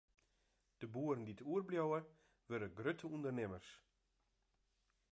De boeren dy't oerbliuwe, wurde grutte ûndernimmers.